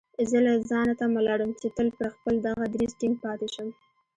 زه له ځانه تمه لرم چې تل پر خپل دغه دريځ ټينګ پاتې شم.